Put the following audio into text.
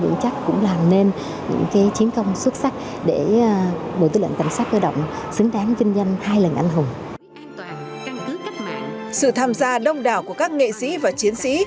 sự tham gia đông đảo của các nghệ sĩ và chiến sĩ